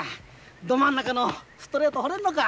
ど真ん中のストレート放れんのか？